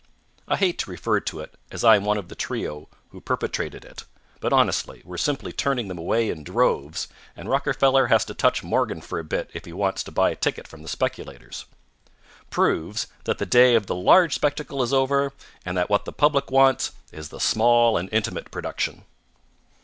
_ (I hate to refer to it, as I am one of the trio who perpetrated it; but, honestly, we're simply turning them away in droves, and Rockefeller has to touch Morgan for a bit if he wants to buy a ticket from the speculators) proves that the day of the large spectacle is over and that what the public wants is the small and intimate production.